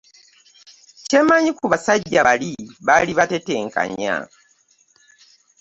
Kye mmanyi ku basajja bali baali batetenkanya.